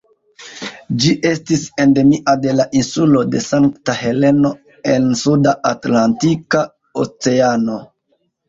Ĝi estis endemia de la insulo de Sankta Heleno en Suda Atlantika Oceano.